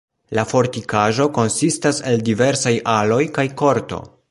La fortikaĵo konsistas el diversaj aloj kaj korto.